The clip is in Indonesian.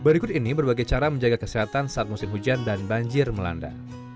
berikut ini berbagai cara menjaga kesehatan saat musim hujan dan banjir melanda